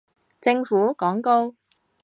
政府廣告